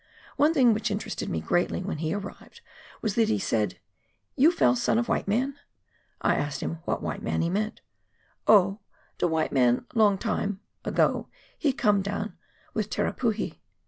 One thing which interested me greatly, when he arrived, was that he said, " You fell' son of white man ?" I asked him what white man he meant ?" Oh, de white man long time (ago) he come down with Terapuhi."